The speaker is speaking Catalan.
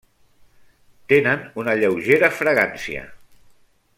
Tenen una lleugera fragància.